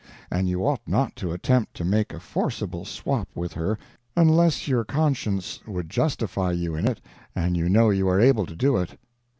And you ought not to attempt to make a forcible swap with her unless your conscience would justify you in it, and you know you are able to do it.